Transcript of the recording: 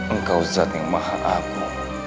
engkau zat yang maha aku